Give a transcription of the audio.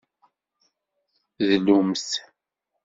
Dlumt.